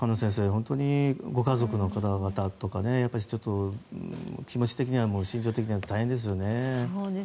本当にご家族の方々とか気持ち的には心情的には大変ですよね。